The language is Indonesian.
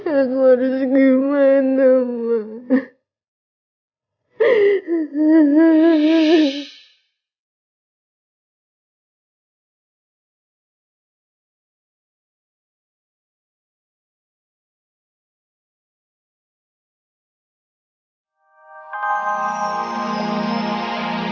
aku harus gimana mbak